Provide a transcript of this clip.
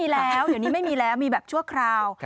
แล้วเดี๋ยวนี้ไม่มีแล้วมีแบบชั่วคราว